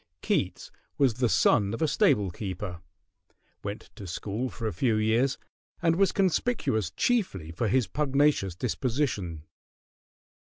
Keats was the son of a stable keeper, went to school for a few years, and was conspicuous chiefly for his pugnacious disposition.